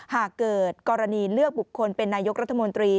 หากเกิดกรณีเลือกบุคคลเป็นนายกรัฐมนตรี